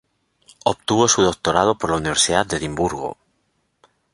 Obtuvo su doctorado por la Universidad de Edimburgo.